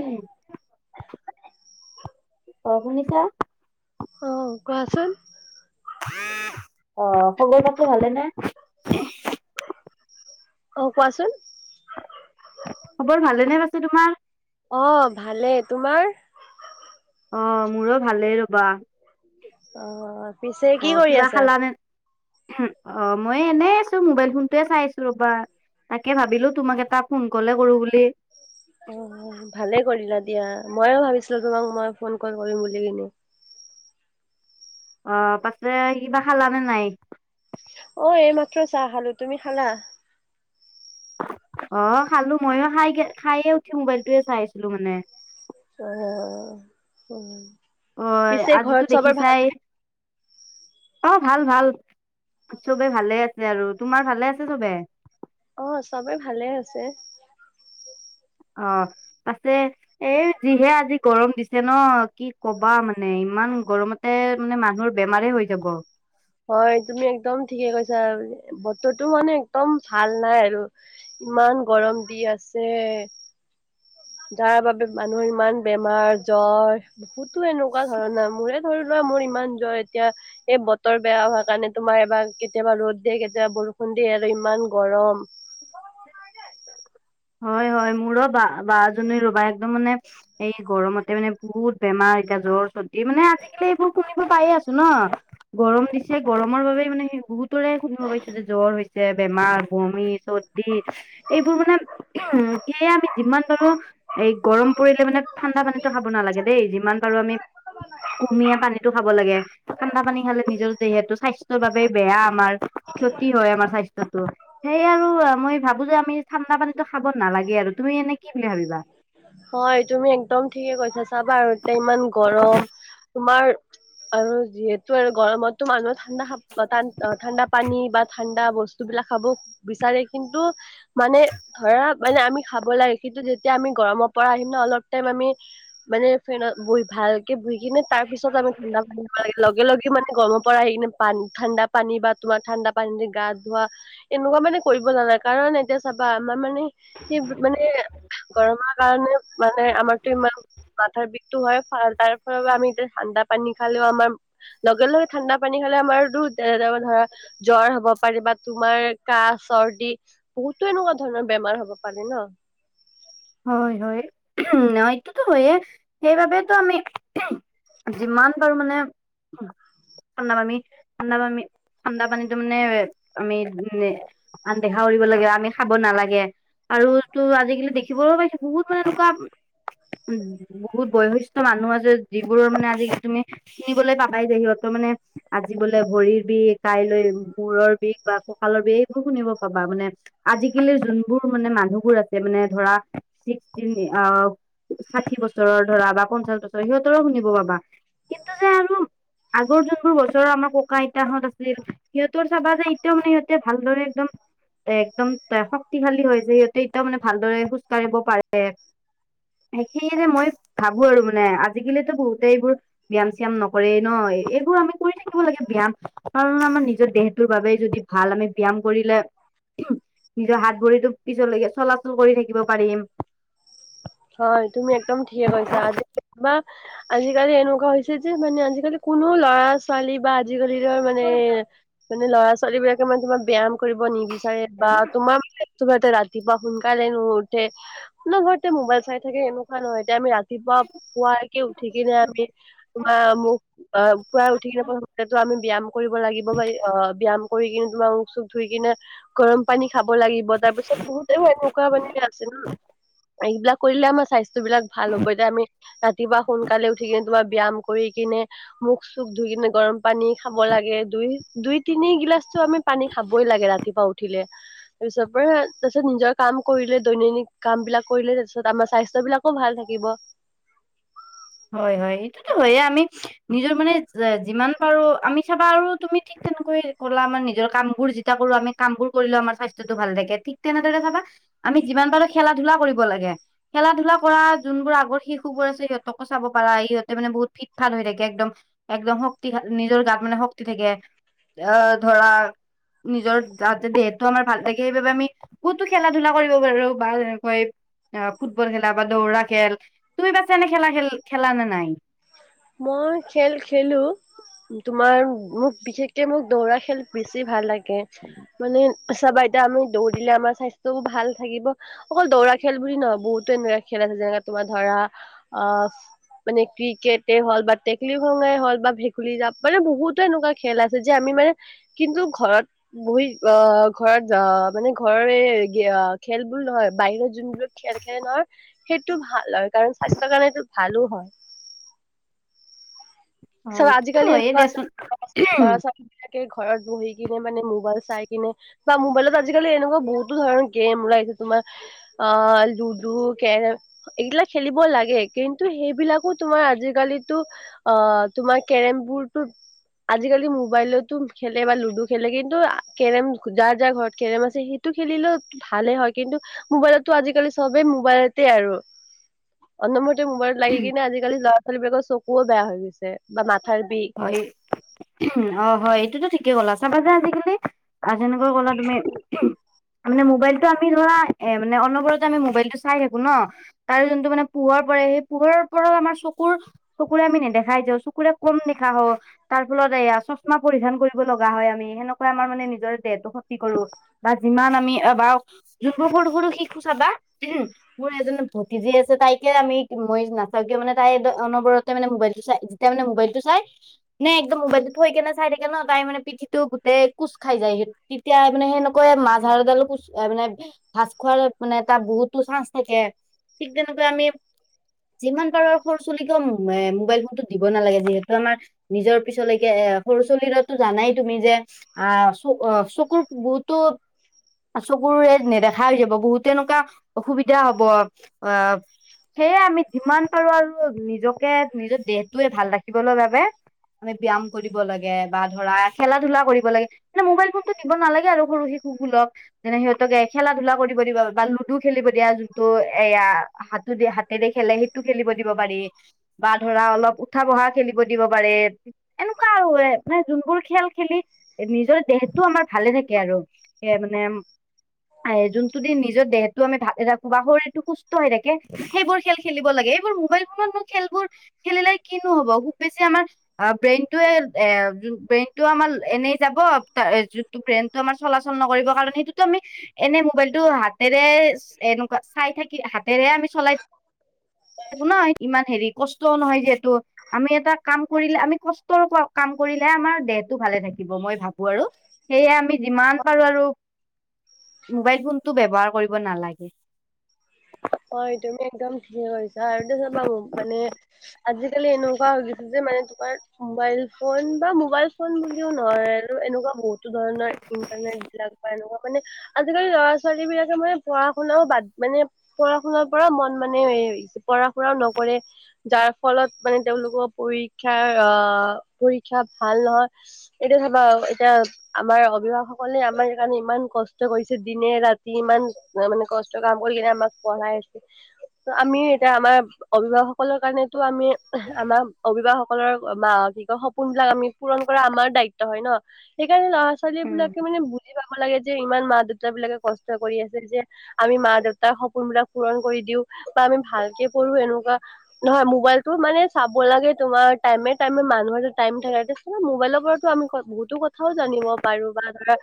উম অ শুনিছা। অ কোৱাচোন। অ খবৰ পাতি ভালে নে। অ কোৱাচোন। খবৰ ভালে নে পাইছো তোমাৰ। অ ভালে তোমাৰ। অ মোৰো ভালেই ৰ'বা। অ পিছে অ কি কৰি কিবা আছা। খালানে? অ মই এনেই আছো মোবাইল ফোনটয়ে চাই আছো ৰ'বা। তাকে ভাবিলো তোমাক এটা ফোন কলে কৰো বুলি। অ ভালে কৰিলা দিয়া ময়ে ভাবিছিলো তোমাক মই ফোন কল কৰিম বুলি কিনি। অ পাছে কিবা খালানে নাই। অ এই মাত্ৰ চাহ খালো তুমি খালা। অ খালো ময়ো খাই খায়ে উঠি মোবাইলটোয়ে চাই আছিলো মানে। অ অ পিছে ঘৰত আজিতো চবৰ ভাল দেখিছাই অ ভাল ভাল। চবে ভালে আছে আৰু তোমাৰ ভালে আছে চবে। অ চবেই ভালে আছে। অ পাছে এই যিহে আজি গৰম দিছে ন কি কবা মানে ইমান গৰমত। তে মানে মানুহৰ বেমাৰে হৈ যাব। হয় তুমি একদম ঠিকে কৈছা বতৰটো মানে একদম ভাল নাই আৰু ইমান গৰম দি আছে। যাৰ বাবে মানুহৰ ইমান বেমাৰ জ্বৰ। বহুতো এনেকুৱা ধৰণা মোৰে ধৰি লোৱা মোৰ ইমান জ্বৰ এতিয়া। এই বতৰ বেয়া হোৱা কাৰণে তোমাৰ এবাৰ কেতিয়াবা ৰ'দ দিয়ে কেতিয়াবা বৰষুণ দিয়ে আৰু ইমান গৰম। হয় হয় মোৰো বা-বাজনী ৰবা একদম মানে এই গৰমতে মানে বহুত বেমাৰ এতিয়া জ্বৰ, চৰ্দি মানে আজিকালি এইবোৰ শুনিব পায়ে আছো ন। গৰম দিছে গৰমৰ বাবে মানে বহুত ৰে শুনিব পাইছো যে জ্বৰ হৈছে, বেমাৰ, বমি, চৰ্দি। এইবোৰ মানে উ সেয়া আমি যিমান পাৰো এই গৰম পৰিলে মানে ঠাণ্ডা পানীতো খাব নালাগে দেই যিমান পাৰো আমি কুহোমিয়া পানীতো খাব লাগে। ঠাণ্ডা পানী খালে নিজৰ যিহেতু স্বাস্থ্যৰ বাবেই বেয়া আমাৰ ক্ষতি হয়। আমাৰ স্বাস্থ্যয়তো সেয় আৰু মই ভাবো যে আমি ঠাণ্ডা পানীতো খাব নালাগে আৰু তুমি এনে কি বুলি ভাবিবা। হয় তুমি একদম ঠিকে কৈছা চাবা আৰু এতিয়া ইমান গৰম। তোমাৰ আৰু যিহেতু আৰু গৰমতো মানুহে ঠাণ্ডা খাব বা ঠাণ্ডা পানী বা ঠাণ্ডা বস্তু বিলাক খাব বিচাৰে কিন্তু মানে ধৰা মানে আমি খাব লাগে কিন্তু যেতিয়া আমি গৰমত পৰা আহিম ন' অলপ টাইম আমি মানে ফেনত বহি ভালকে বহি কিনে তাৰ পিছত আমি ঠাণ্ডা পানী [unintelligible] খাব লাগে। লগে-লগে মানে গৰমৰ পৰা সেই কিনে পানী ঠাণ্ডা পানী বা তোমাৰ ঠাণ্ডা পানীৰে গা ধোৱা [unintelligible] এনেকুৱা মানে কৰিব নালাগে। কাৰণ এতিয়া চাবা আমাৰ মানে সেই মানে গৰমত [unintelligible] [unintelligible] মানে আমাৰতো ইমান মাথাৰ বিষটো হয়। তাৰ ফলৰ পৰা আমি এতিয়া ঠাণ্ডা পানী খালেও আমাৰ [unintelligible] লগে-লগে ঠাণ্ডা পানী খালে আমাৰো [unintelligible] ধৰা জ্বৰ হ'ব পাৰে বা তোমাৰ কাহ, চৰ্দি [unintelligible] বহুতো এনেকুৱা ধৰণৰ বেমাৰ হব পাৰে ন'? [unintelligible] হয়-হয়। ন এইটোতো হয়েই সেইবাবেতো আমি [unintelligible] যিমান পাৰো মানে [unintelligible] ঠাণ্ডা পানী, ঠাণ্ডা পানী, ঠাণ্ডা পানীতো মানে আমি নে [unintelligible] আন দেখা কৰিব লাগে, আমি খাব নালাগে আৰু তো আজিকালি দে [unintelligible] শিকিবলৈ পাইছো বহুত মানে এনেকুৱা [inaudible] উম! বহুত বয়সস্থ মানুহ আছে যিবোৰৰ মানে আজি তুমি [unintelligible] শুনিবলৈ পাবাই যে সিহঁতৰ মানে [inaudible] আজি বোলে ভৰিৰ বিষ, কাইলৈ মূৰৰ বিষ বা কঁকালৰ বিষ এইবোৰ শুনিব পাবা মানে। [unintelligible] আজিকালিৰ যোনবোৰ মানে মানুহবোৰ আছে মানে ধৰা [unintelligible] ছিক্সি [unintelligible] অ ষাঠি বছৰৰ ধৰা বা পঞ্চাশ বছৰ সিহঁতৰো শুনিব পাবা। [unintelligible] কিন্তু যে আৰু [inaudible] আগৰ যোনবোৰ বছৰৰ আমাৰ ককা-আইতাহঁত আছিল। সিহঁতৰ চাবা যে এতিয়াও মানে সিহঁতে ভালদৰে একদম [unintelligible] এ একদম [unintelligible] শক্তিশালী হয় যে সিহঁতে এতিয়া মানে ভালদৰে খোজকাঢ়িব পাৰে। এইখিনিতে যে মই ভাবো আৰু মানে আজিকালিতো বহুতে এইবোৰ [unintelligible] ব্যায়াম-চিয়াম নকৰেই ন। এইবোৰ আমি কৰি থাকিব লাগে ব্যায়াম, কাৰণ আমাৰ নিজৰ দেহটোৰ বাবে যদি [unintelligible] ভাল আমি ব্যায়াম কৰিলে [inaudible] নিজৰ হাত, ভৰিতো পিছলৈকে চলাচল কৰি থাকি [unintelligible] থাকিব পাৰিম। [unintelligible] হয়। তুমি একদম ঠিকে কৈছা আজিকালি কিমান [unintelligible] আজিকালি এনেকুৱা হৈছে যে মানে আজিকালি কোনো ল'ৰা [unintelligible] ছোৱালী বা আজিকালিৰ মানে-মানে ল'ৰা-ছোৱালী বিলাকে মানে তোমাৰ ব্যায়াম কৰিব নিবিচ [unintelligible] [inaudible] বা তোমাৰ মানে ৰাতিপুৱা সোনকালে নুউঠে, অনবৰতে মোবাইল [unintelligible] চাই থাকে এনেকুৱা নহয় এতিয়া আমি ৰাতিপুৱা পুৱাকে উঠি কিনে আমি [unintelligible] তোমাৰ মুখ অ পুুৱাই উঠি [unintelligible] আমি ব্যায়াম কৰিব লাগিব বা অ ব্যায়াম কৰি কিনে তোমাৰ মুখ-চুখ ধুই কিনে গৰম [unintelligible] পানী খাব লাগিব। তাৰ পিছত বহুতেও এনেকুৱা পানী আছে ন এইবিলাক কৰিলে আমাৰ স্বা [unintelligible] [unintelligible] বস্তুবিলাক ভাল হ'ব। এতিয়া আমি ৰাতিপুৱা সোনকালে উঠি কিনে, তোমাৰ ব্যায়াম কৰি কিনে মুখ-চুখ ধুই কিনে, গৰম পানী খাব লাগে। দুই-দুই-তিনি গিলাচটো আমি [unintelligible] পানী খাবই লাগে ৰাতিপুৱা উঠিলে। [unintelligible] তাৰপিছত পৰা তাৰপিছত নিজৰ কাম কৰিলে, দৈনন্দিন কামবিলাক কৰিলে তাৰপিছত [unintelligible] তাৰপিছত আমাৰ স্বাস্থ্যবিলাকো ভাল থাকিব। [unintelligible] হয়-হয়। এইটোতো হয়ে আমি [unintelligible] নিজৰ মানে যিমান পাৰো আমি চাবা আৰু তুমি ঠিক তেনেকৈ ক'লা আমাৰ নিজৰ কামবোৰ যেতিয়া কৰো আমি [unintelligible] কামবোৰ কৰিলেও আমাৰ স্বাস্থ্যটো ভাল থাকে। ঠিক তেনেদৰে চাবা [unintelligible] আমি যিমান পাৰো খেলা-ধূলা কৰিব লাগে। খেলা-ধূলা কৰা যোনবোৰ আগৰ শিশুবোৰ আছে সিহঁত [unintelligible] সিহঁতকো চাব পাৰা ইহঁতে মানে বহুত ফিট-ফাত হৈ থাকে একদম। [unintelligible] একদম শক্তি [unintelligible] নিজৰ গাত মানে শক্তি থাকে। আহ ধৰা নিজৰ যাতে দেহটো আমাৰ ভাল থাকে সেইবাবে আমি [unintelligible] কতো খেলা ধূলা কৰিব পাৰো বা তেনেকৈ। অ', ফুটবল খেলা বা দৌৰা খেল তুমি পাছে এনে খেলা খেল খেলা নে নাই। মই খেল খেলো। তোমাৰ মোক বিশেষকে মোক দৌৰা খেল বেছি ভাল লাগে মানে। চাবা এতিয়া আমি দৌৰিলে আমাৰ স্বাস্থ্যও ভাল থাকিব। অকল দৌৰা খেল বুলি নহয় বহুতো এনেকা খেল আছে যেনে তোমাৰ ধৰা আ। মানে ক্ৰিকেট। তেই হ'ল বা টেকেলি খঙাই হল বা ভেকুলী জাপ মানে বহুতো এনেকুৱা খেল আছে যে আমি মানে। কিন্তু ঘৰত। বহিত অ', ঘৰত জা মানে ঘৰৰ এই গে খেলবোৰ নহয় বাহিৰত যোনবোৰ। খেল খেলে ন সেইটো ভাল হয় কাৰণ স্বাস্থ্যৰ কাৰণে সেইটো ভালো হয়। হয় চাবা এইটোতো আজিকালি হয়ে এনেকুৱা আছে দিয়াচোন [unintelligible] যিবিলাকে ঘৰত বহি কিনে মানে মোবাইল চাই কিনে। বা মোবাইলত আজিকালি এনেকুৱা বহুতো ধৰণৰ গেম ওলাইছে তোমাৰ। আ লুডু, কেৰম। এইগিলা খেলিব লাগে কিন্তু সেইবিলাকো তোমাৰ আজিকালিতো অ'। তোমাৰ কেৰেম বোৰতো। আজিকালি মোবাইলতো খেলে বা লুডু খেলে কিন্তু আ কেৰম যাৰ যাৰ ঘৰত কেৰম আছে সি। টো খেলিলে ভালে হয়, কিন্তু মোবাইলতো আজিকালি চবেই মোবাইলতে আৰু। অনবৰতে মোবাইলত লাগি কিনে আজিকালি ল'ৰা-ছোৱালী বিলাকৰ চকুও বেয়া হৈ গৈছে বা মাথাৰ বিষ। হয়ে, অ', হয়, এইটোতো ঠিকেই ক'লা চাবা যে আজিকালি। আৰু যেনেকৈ কলা তুমি। মানে মোবাইলটো আমি ধৰা, এ মানে অনবতে আমি মোবাইলটো চাই থাকো ন। তাৰ যোনটো মানে পোহৰ পৰে সেই পোহৰৰ পৰাও আমাৰ চকুৰ। চুকুৰে আমি নেদেখা হৈ যাও চকুৰে কম দেখা হও। তাৰ ফলত এয়া চশমা পৰিধান কৰিব লগা হয় আমি সেনেকুৱাই আমাৰ মানে নিজৰ দেহটো ক্ষতি কৰো। বা যিমান আমি এবাও যোনবোৰ সৰু- সৰু শিশু চাবা হম। মোৰ এজনী ভতিযি আছে তাইকে আমি মই নাচাওঁ কিয় মানে তাই দ অনবৰত। তাই মানে মোবাইলটো চাই যেতিয়া মানে মোবাইলটো চাই। নাই একদম মোবাইলতো এই কেনে চাই থাকে ন তাই মানে পিঠিটো গোটেই কোচ খাই যায়। তেতিয়া মানে সেনেকৈ মাজহাড় ডাল কোচ মানে। ভাজ খোৱাল মানে তাৰ বহুতো চান্স থাকে ঠিক তেনেকৈ আমি। যিমান পাৰো সৰু চুলি কও এ মোবাইল ফোনতটো দিব নালাগে যিহেতু আমাৰ। নিজৰ পিছলৈকে এ সৰু চলিৰোটো জানাই তুমি যে। আ চকু চকুৰ বহুতো। চকুৰে নেদেখা হৈ যাব বহুত তেনেকুৱা অসুবিধা হব অ'। সেয়ে আমি যিমান পাৰো আৰু নিজকে নিজৰ দেহটোৱে ভাল ৰাখিবলৈ বাবে। আমি ব্যায়াম কৰিব লাগে বা ধৰা খেলা ধূলা কৰিব লাগে। মানে মোবাইল ফোন টো দিব নালাগে আৰু সৰু শিশু গোলক। যেনে সিহঁতকে খেলা ধূলা কৰিব দিবা বা লুডু খেলিব দিয়া যিনটো এয়া হাতদি হাতেৰে খেলে সেই টো খেলিব দিব পাৰি বা ধৰা অলপ উঠা বহা খেলিব দিব পাৰে। এনেকুৱা আৰু এ মানে যোনবোৰ খেল খেলি নিজৰ দেহটো আমাৰ ভালে থাকে আৰু। এইয়া মানে উম। আয় যোনটো দিন নিজৰ দেহতটো আমি ভালে ৰাখো বা শৰীৰতটো সুস্থ হৈ থাকে সেইবোৰ খেল। খেলিব লাগে এইবোৰ মোবাইল ফোনত নো খেলবোৰ খেলিলে কিনো হ'ব খুব বেছি আমাৰ। অ ব্ৰেইনটোয়ে এ ব্ৰেইনটো আমাৰ এনেই যাব ব্ৰেইত আমাৰ চলাচল নকৰিব কাৰনে সেইটোতো আমি এনে মোবাইলটো হাতেৰে এনেকুৱা চাই থাকি হাতেৰেহে আমি চলাই থাকোঁ ন ইমান হেৰি কষ্ট নহয় যিহেতু আমি এটা কাম। কৰিলে আমি কষ্টৰ কাম কৰিলেহে আমাৰ দেহটো ভালে থাকিব মই ভাবো আৰু সেয়ে আমি যিমান পাৰো আৰু মোবাইল ফোনটো ব্যৱহাৰ কৰিব নালাগে। হয় তুমি একদম ঠিকে কইছা আৰু তাৰপিচপা মানে। আজিকালি এনেকুৱা হৈ গৈছে যে মানে তোমাৰ মোবাইল ফোন বা মোবাইল ফোন বুলিও নহয় আৰু এনেকুৱা বহুতো ধৰণৰ ইন্টাৰনেট বিলাক পাই নহয় মানে। আজিকালি ল'ৰা ছোৱালী বিলাকে মানে পঢ়া শুনাও বাদ মানে। পঢ়া শুনাৰ পৰা মন মানে পঢ়া শুনাও নকৰে যাৰ ফলত মানে তেওঁলোকৰ পৰীক্ষাৰ আহ পৰীক্ষা ভাল নহয়। এইটো চাবা এতিয়া আমাৰ অভিভাৱক সকলে আমাৰ সেইকাৰণে ইমান কষ্ট কৰিছে দিনে ৰাতি ইমান। মানে কষ্ট কাম কৰি কিনে আমাক পঢ়াই আছে আমিও এতিয়া আমাৰ। অভিভাৱক সকলৰ কাৰণেতো আমি আমাৰ অভিভাৱ সকলৰ বা কি কয় স পোন বিলাক আমি পূৰণ কৰা আমাৰ দায়িত্ব হয় ন সেই কাৰণে ল'ৰা-ছোৱালী উম, বিলাকে মানে বুজি বুজি পাব লাগে যে ইমান মা -দেউতা বিলাকে কষ্ট কৰি আছে যে আমি মা-দেউতাক সপোণ সপোনবিলাক পূৰণ কৰি দিও বা আমি ভালকে পঢ়ো এনেকুৱা নহয় মোবাইলটো মানে চাব লাগে তোমাৰ টাইমে টাইমে মানুহ এটা টাইম থাকে যে মোবাইলৰ পৰাটো আমি বহুতো কথাও জানিব পাৰো বা ধৰা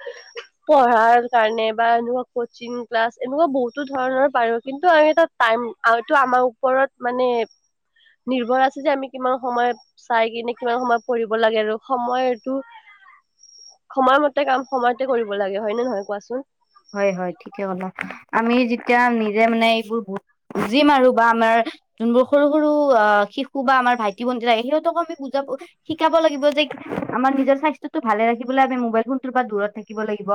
পঢ়াৰ কাৰণে বা এনেকুৱা কচিং ক্লাছ এনেকুৱা বহুতো ধৰণৰ পাৰো কিন্তু আমি এটা টাইম আৰু আমাৰ ওপৰত মানে নিৰ্ভয় আছে যে আমি কিমান সময়ত চাইকিনি কিমান সময় পঢ়িব লাগে আৰু সময়টো সময়মতে কাম সময়তে কৰিব লাগে হয় নে নহয় কোৱাচোন হয় হয় ঠিকে কলা আমি যেতিয়া নিজে মানে এইবোৰ বুজিম আৰু বা আমাৰ যোনবোৰ সৰু সৰু আহ শিশু বা আমাৰ ভাইটি-ভণ্টি থাকে সিহঁতকো আমি বুজাব শিকাব লাগিব যে আমাৰ নিজৰ স্বাস্থ্যটো ভালে ৰাখিবলে আমি মোবাইল ফোনটোৰ পৰা দূৰত থাকিব লাগিব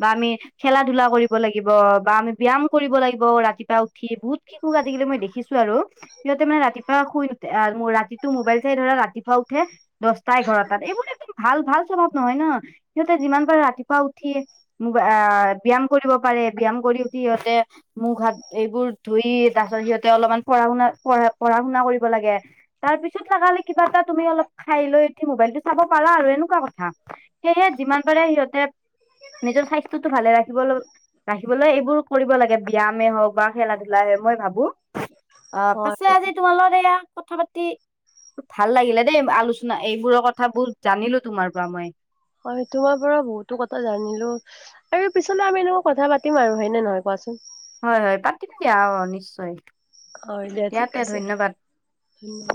বা আমি খেলা-ধূলা কৰিব লাগিব বা আমি ব্যাম কৰিব লাগিব ৰাতিপুৱা উঠি বহুত শিশুক আজি-কালি মই দেখিছো আৰু সিহঁতে মানে ৰাতিপুৱা শুই নুঠে মোৰ ৰাতি তো মোবাইল চাই ধৰা ৰাতিপুৱা উঠে দহটা, এঘাৰটাত এইবোৰ একদম ভাল ভাল স্বভাৱ নহয় ন সিহঁতে যিমান পাৰে ৰাতিপুৱা উঠিয়ে মো বা ব্যাম কৰিব পাৰে ব্যাম কৰি উঠি সিহঁতে মুখ-হাত এইবোৰ ধুই তাৰপিছত সিহঁতে অলপমান পঢ়া শুনা, পঢ়া শুনা কৰিব লাগে তাৰ পিছত লাগা হলে কিবা এটা তুমি অলপ খাই লৈ উঠি মোবাইলটো চাব পাৰা আৰু এনেকুৱা কথা সেয়েহে যিমান পাৰে সিহঁতে নিজৰ স্বাস্থ্যটো ভালে ৰা ৰাখিবলৈ এইবোৰ কৰিব লাগে ব্যামে হওঁক বা খেলা-ধূলাই মই ভাবো অ পাছে হয়। আজি তোমাৰলগত এয়া কথা পাতি ভাল লাগিলে দেই আলোচনা এইবোৰৰ কথা বহুত জানিলো তোমাৰ পৰা মই হয় তোমাৰ পৰা বহুতো কথা জানিলো আৰু পিছলৈ আমি এনেকৈ কথা পাতিম আৰু হয়নে নহয় কোৱাচোন হয় হয় পাতিম দিয়া অ নিশ্চয় হয় দে দিয়া ঠিক তে আছে ধন্যবাদ উম